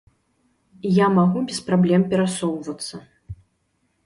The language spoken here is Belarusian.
Я магу без праблем перасоўвацца.